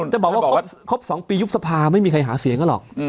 จะบอกว่าครบ๒ปียุบสภาไม่มีใครหาเสียงก็หรอก